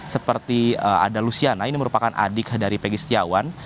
seperti ada luciana ini merupakan adik dari pegi setiawan